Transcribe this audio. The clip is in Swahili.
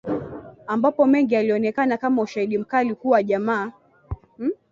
Ambapo mengi yalionekana kama ushaidi mkali kuwa jamaa